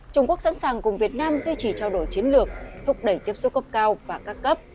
trung quốc sẵn sàng cùng việt nam duy trì trao đổi chiến lược thúc đẩy tiếp xúc cấp cao và các cấp